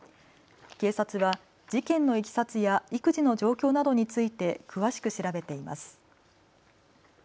警察は事件のいきさつや育児の状況などについて詳しく調べています。